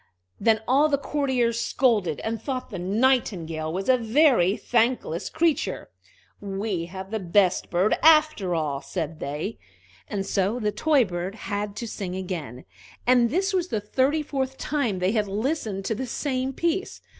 Then all the courtiers scolded, and thought the Nightingale was a very thankless creature. "We have the best bird, after all," said they. And so the toy bird had to sing again, and this was the thirty fourth time they had listened to the same piece.